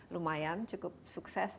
lumayan cukup sukses